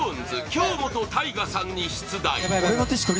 京本大我さんに出題